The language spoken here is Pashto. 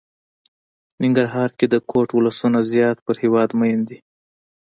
ننګرهار کې د کوټ ولسونه زيات په هېواد ميئن دي.